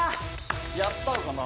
やったのかな？